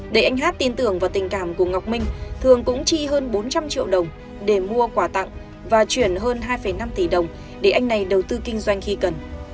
để anh hát tin tưởng vào tình cảm của ngọc minh thường cũng chi hơn bốn trăm linh triệu đồng để mua quà tặng và chuyển hơn hai năm tỷ đồng để anh này đầu tư kinh doanh khi cần